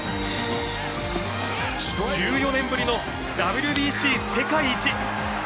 １４年ぶりのＷＢＣ世界一！